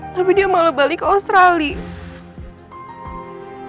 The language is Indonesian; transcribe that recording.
tapi dia malah balik ke australia